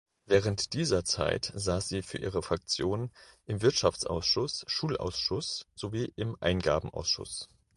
Während dieser Zeit saß sie für ihre Fraktion im Wirtschaftsausschuss, Schulausschuss sowie im Eingabenausschuss.